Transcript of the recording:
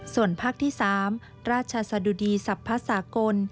ส่วนภาคที่๓ราชสดุดีศัพท์ภาษากล